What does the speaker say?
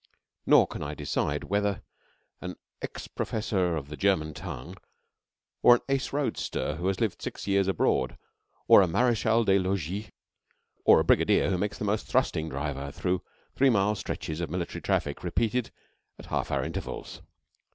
Nor can I decide whether an ex professor of the German tongue, or an ex roadracer who has lived six years abroad, or a Marechal des Logis, or a Brigadier makes the most thrusting driver through three mile stretches of military traffic repeated at half hour intervals.